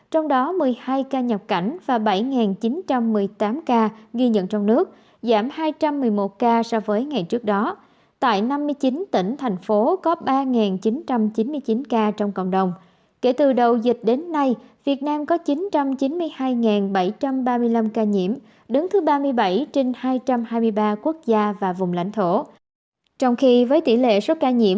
trong đó có tám trăm bốn mươi một hai trăm ba mươi bảy bệnh nhân đã được công bố khỏi bệnh